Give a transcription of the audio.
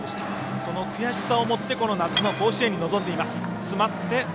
その悔しさをもってこの夏の甲子園に臨んでいます。